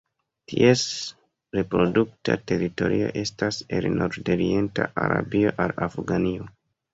Ties reprodukta teritorio estas el nordorienta Arabio al Afganio.